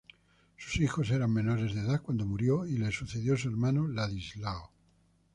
Sus hijos eran menores de edad cuando murió y le sucedió su hermano Ladislao.